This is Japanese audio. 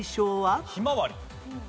ひまわり。